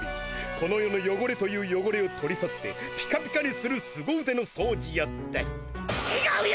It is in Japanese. この世のよごれというよごれを取り去ってピカピカにするすご腕の掃除や。ってちがうよ！